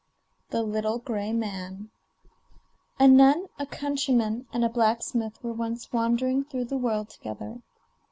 The Little Gray Man A nun, a countryman, and a blacksmith were once wandering through the world together.